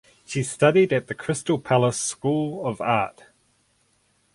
She studied at the Crystal Palace School of Art.